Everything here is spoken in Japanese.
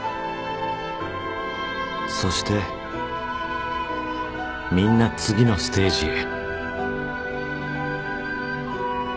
［そしてみんな次のステージへ］